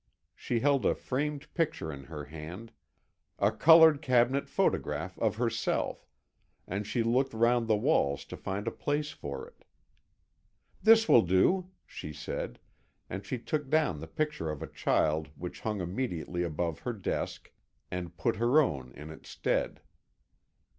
She held a framed picture in her hand, a coloured cabinet photograph of herself, and she looked round the walls to find a place for it. "This will do," she said, and she took down the picture of a child which hung immediately above her desk, and put her own in its stead.